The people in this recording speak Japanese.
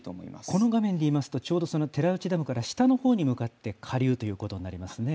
この画面でいいますと、ちょうど寺内ダムから下のほうに向かって下流ということですね。